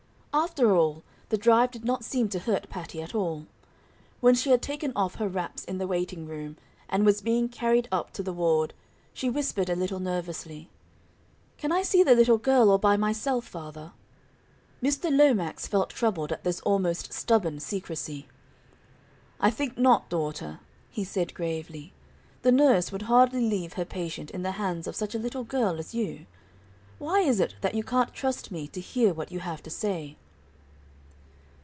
After all, the drive did not seem to hurt Patty at all; when she had taken off her wraps in the waiting room, and was being carried up to the ward, she whispered a little nervously: "Can I see the little girl all by myself, father?" Mr. Lomax felt troubled at this almost stubborn secrecy. "I think not, daughter," he said gravely; "the nurse would hardly leave her patient in the hands of such a little girl as you. Why is it that you can't trust me to hear what you have to say?"